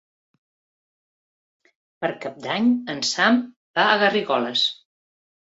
Per Cap d'Any en Sam va a Garrigoles.